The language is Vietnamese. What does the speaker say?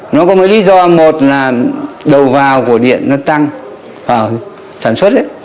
nó có một lý do một là đầu vào của điện nó tăng vào sản xuất ấy